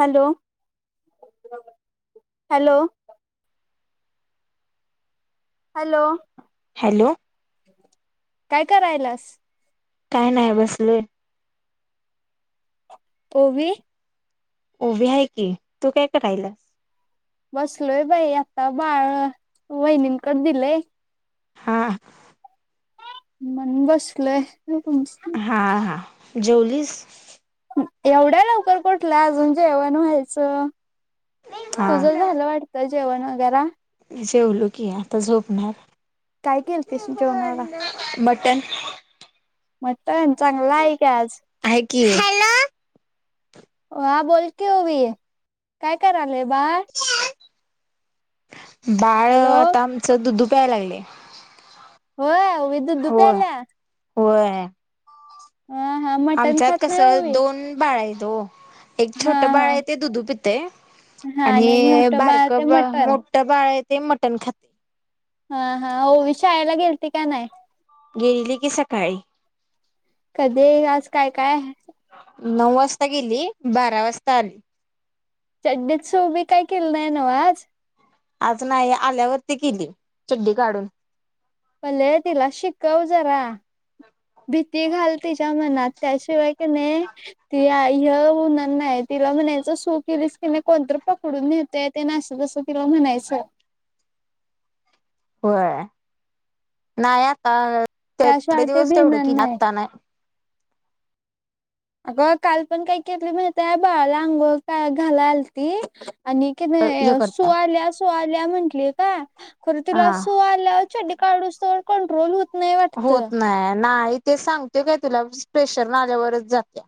Hello hello. Hello. Hello. काय करायलास? काय नाय बसलोय. तोवी ओवी हाय की तू काय करायल्यास? बसलोय बाई आता बाळ वहिणींकडे दिलेय. हा. म्हणून बसलोय. [unintelligible] हां हां जेवलीस? एवढ्या लवकर कुठलं अजून जेवण व्हायचं. हा तुझं झालं वाटतं जेवण वगैरा? जेवलो की आता झोपणार. काय केलतीस म जेवणाला? मटण मटन चांगला आहे का आज? आहे की हा बोल की ओवी काय करायलंय बाळ? बाळ हॅलो आता आमचं दुधू प्यायला लागलय. होय आव होय होय. हा हा मटण आमच्यात खात नाही कसं ओवी दोन बाळ आहे तो एक हा छोटं बाळ हा आहे ते दुधू पित ते हा आणि एक मोठं ते बारकं बाळ मटण मोठ बाळ आहे ते मटण खाते. हा हा ओवी शाळेला गेलते का नाही? गेलीली की सकाळी. कधी आज काय काय? नऊ वाजता गेली बारा वाजता आली. चड्डीस ओवी काय केलं नाही ना हो आज? आज नाही आल्यावरती केली चड्डी काढून. पल्ले तिला शिकव जरा. भीती घाल तिच्या मनात त्याशिवाय की नाही ती आय होणार नाही तिला म्हणायचं सु केलीस की नाही कोणतरी पकडून नेहतेत तेन असं जसं तिला म्हणायचं. होय नाही आता त थोडे त्याशिवाय ते दिवस तेवढं भिणार की नाही आता नाय. अगं काल पण काही केली माहिती आहे बाळाला अंघोळ काय घालायला आलती आणि कि हे नाय सु करता आल्या सु आल्या म्हंटली का खरं तिला हा सु आ तिला चड्डी काढूस तर कंट्रोल होत नाही वाटतं. होत नाही नाही ते सांगते काय तुला प्रेशर नाल्यावरच जात्या.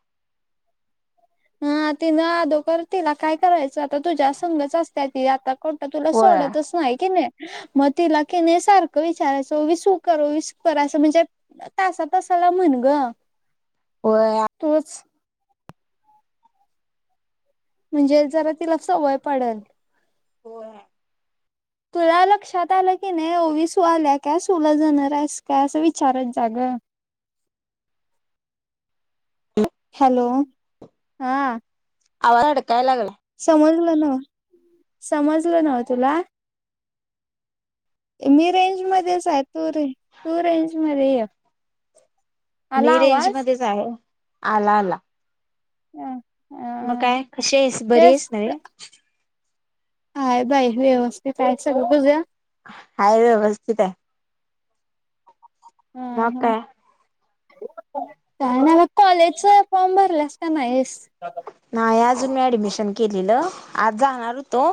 हा तिनी आदोकर तिला काय करायचं आता तुझ्या संघच असत्या ती आता कोणता तुला होय सोडतच हाय की नाही. म तिला क नाही सारखं विचारायचं ओवी सु कर ओवी सु कर असं म्हणजे तासा तासाला म्हण गं. ओया तूच म्हणजे जरा तिला सवय पडेल. होय. तुला लक्षात आलं की नाही ओवीसू आल्या काय सुला जाणार आहेस काय असं विचारत जागं. हो [unintelligible] हॅलो हा आ अडकायला लागला समजलं न समजलं न तुला? मी रेंज मध्येच आहे तू रें तू रेंज मध्ये ये. आला मी रेंज आवाज मध्येच आहे आला आला. अ मग अ काय कशी आहेस बरी तेच आहेस ना रे? आहे बाई व्यवस्थित आहे सगळं तुझं? हाय व्यवस्थित आहे. ह मग ह काय? काय नाही मग कॉलेजचा फॉर्म भरलायस की नाहीस? नाही अजून मी ऍडमिशन केलेलं आज जाणार होतो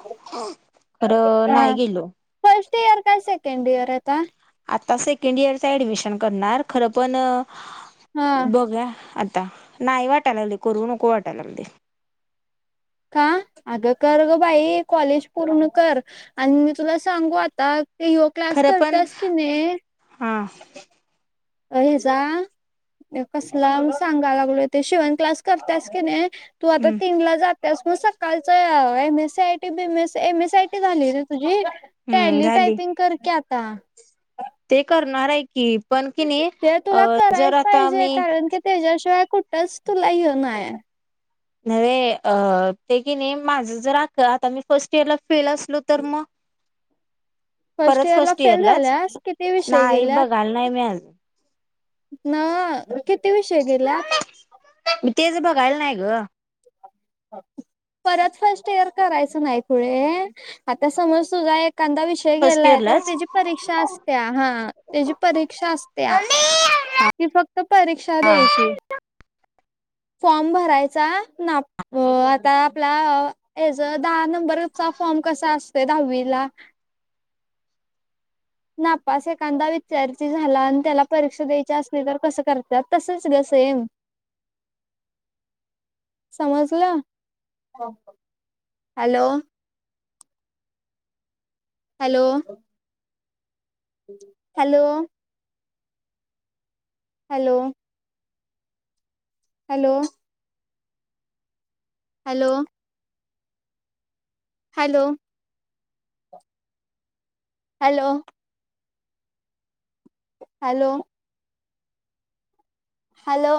खरं हा नाही गेलो फर्स्ट इयर काय सेकंड इयर आता? आता सेकंड इयरच ऍडमिशन करणार खरं पण हा बघूया आता नाही वाटायला लागलंय करू नको वाटायला लागलय. का अगं कर ग बाई कॉलेज पूर्ण कर आणि मी तुला सांगू आता ते योग क्लास करतास की नाही हां. अ हे जा कसला म सांगाय लागलोय ते शिवण क्लास करत्यास की नाही तू आता हम्म तीनला जा त्यास मग सकाळच एम एस आयटी बीस एम एस आयटी झालीय ना तुझी? हम्म टेली झाली टायपिंग कर की आता. ते करणार आहे की पण कि नाही ते तुला अ जर करायच आता पाहिजे आम्ही कारण की त्याच्याशिवाय कुठंच तुला हे नाय नव्हे ते की नाही माझं जर [unintelligible] आता मी फर्स्ट त्याला फेल असलो तर मग? फर्स्ट इयर ला फेल झाल्यास किती विषय गेल्यात? चाल नाही मी आज [unintelligible] ना किती विषय गेल्यात? म तेच बगायला नायी ग. परत फर्स्ट इयर करायचं नाही पुुढे आता समज तुझा एखादा वि फर्स्ट गेलाय तर इयरलाच त्याची परीक्षा असत्या हा त्याची परीक्षा असत्या. कि फक्त परीक्षा हा द्यायची फॉर्म भरायचा ना हो आता आपला एज अ दहा नंबरचा फॉर्म कसा असतोय दहावीला नापस एखादा विचारती झाला आणि त्याला परीक्षा द्यायची असली तर कसं काय ज तसच ग सेम [unintelligible] समजलं? Hello! Hello! Hello! Hello. Hello. Hello. Hello hello hello hello